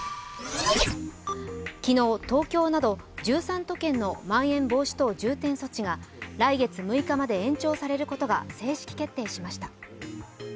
昨日、東京など１３都県のまん延防止等重点措置が来月６日まで延長されることが正式決定しました。